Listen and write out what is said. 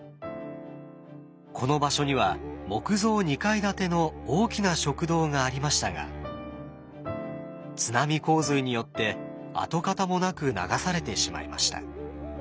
この場所には木造２階建ての大きな食堂がありましたが津波洪水によって跡形もなく流されてしまいました。